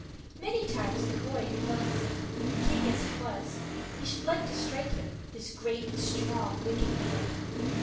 Many times the boy had felt as if, king as he was, he should like to strike him, this great, strong, wicked man.